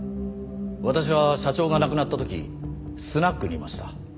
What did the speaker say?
私は社長が亡くなった時スナックにいました。